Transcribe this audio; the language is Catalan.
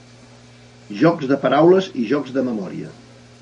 Jocs de paraules i jocs de memòria.